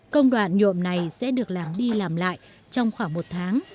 công đoạn nhuộm này sẽ được làm đi làm lại trong khoảng một tháng